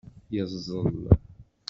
Yeẓẓel.